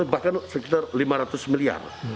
bahkan sekitar lima ratus miliar